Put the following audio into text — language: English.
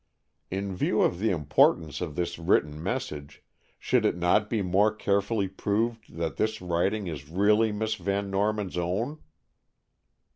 In view of the importance of this written message, should it not be more carefully proved that this writing is really Miss Van Norman's own?"